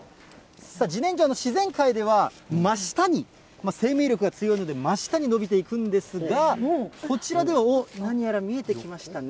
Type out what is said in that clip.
じねんじょ、自然界では真下に、生命力が強いので真下に伸びていくんですが、こちらでは、何やら見えてきましたね。